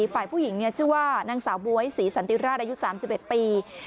ฝ่ายผู้หญิงเนี่ยชื่อว่านางสาวบ๊วยศรีสันติราชอายุสามสิบเอ็ดปี